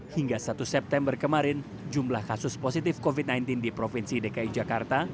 hingga satu september kemarin jumlah kasus positif covid sembilan belas di provinsi dki jakarta